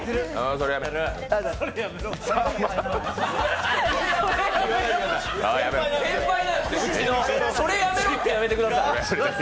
それやめろってやめてください。